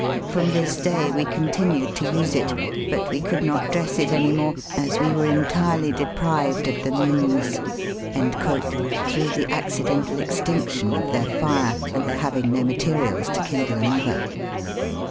From this day we continued to use it ; but we could not it anymore, as we were entirely de prived of the means,'' through the accidental extinction of their tire, and their having no materials to kindle another.